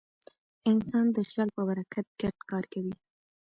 انسان د خیال په برکت ګډ کار کوي.